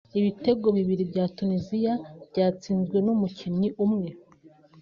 ibitego bibiri bya Tunisia byatsinzwe n’umukinnyi umwe